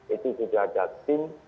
itu sudah ada tim